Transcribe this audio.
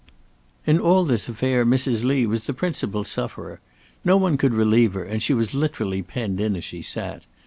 In all this affair Mrs. Lee was the principal sufferer. No one could relieve her, and she was literally penned in as she sat.